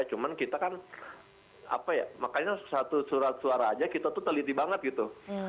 cuman kita kan apa ya makanya satu surat suara aja kita tuh teliti banget gitu